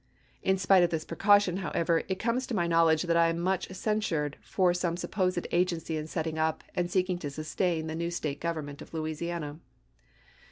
In spite of this precaution, however, it comes to my knowledge that I am much cen sured for some supposed agency in setting up and seeking to sustain the new State government of Louisiana.